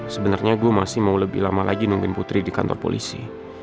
sebenarnya gue masih mau lebih lama lagi nungguin putri di kantor polisi